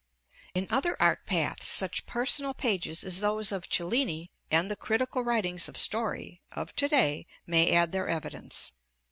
In other art paths, such personal pages as those of Cellini, and the critical writings of Story, of to day, may add their evidence.